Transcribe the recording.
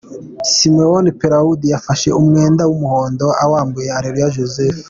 Simon Pelaud yafashe umwenda w'umuhondo awambuye Areruya Joseph.